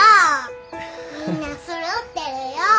みんなそろってるよ。